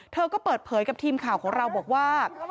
เธอก็เปิดเผยกับทีมข่าวของเราบอกว่า